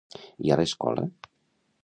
I a l'escola?